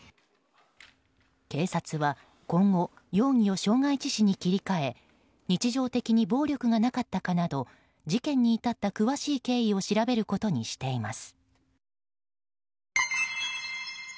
警察は今後容疑を傷害致死に切り替え日常的に暴力がなかったなど事件に至った詳しい経緯を調べることにしています。